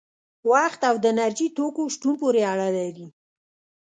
وخت او د انرژي توکو شتون پورې اړه لري.